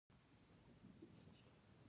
هغه عادت پرېږدئ، چي شخصت ته مو تاوان رسوي.